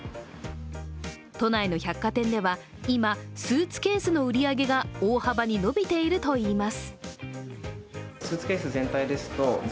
都内の百貨店では今スーツケースの売上が大幅に伸びているといいます。